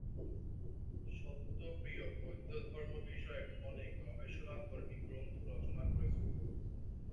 সত্যপ্রিয় বৌদ্ধ ধর্ম বিষয়ক অনেক গবেষণাধর্মী গ্রন্থ রচনা করেছেন।